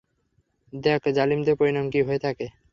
দেখ, জালিমদের পরিণাম কী হয়ে থাকে।